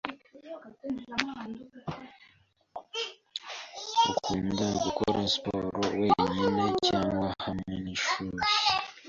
Ukunda gukora siporo wenyine cyangwa hamwe nishuri?